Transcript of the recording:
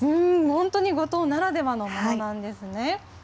本当に五島ならではのものなんですね。